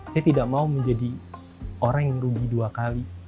saya tidak mau menjadi orang yang rugi dua kali